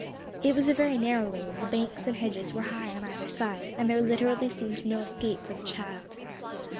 It was a very narrow lane; the banks and hedges were high on either side, and there literally seemed no escape for the child.